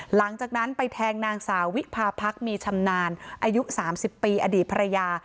หลังจากนั้นไปแทงนางสาววิพาพรรคมีชำนาญอายุ๓๐ปีอดีตภรรยา